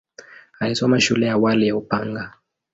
Alisoma shule ya awali ya Upanga.